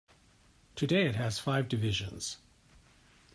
Today it has five divisions.